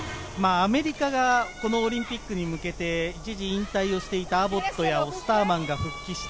アメリカがこのオリンピックに向けて一時引退していたアボットやオスターマンが復帰した。